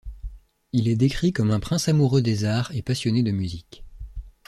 Il est décrit comme un prince amoureux des arts et passionné de musique.